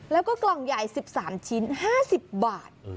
แล้วก็กล่องใหญ่๑๓ชิ้น๕๐บาท